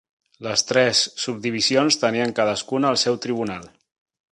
Les tres subdivisions tenien cadascuna el seu tribunal.